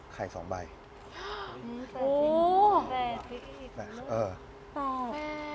ขาย๒ใบเห้อว้าว